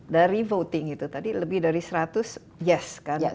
dari voting itu tadi lebih dari seratus yes kan